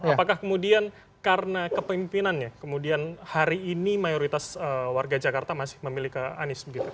apakah kemudian karena kepemimpinannya kemudian hari ini mayoritas warga jakarta masih memilih ke anies